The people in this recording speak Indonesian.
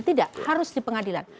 tidak harus di pengadilan